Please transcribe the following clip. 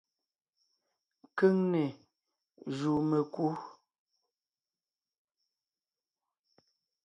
Keŋne jùu mekú.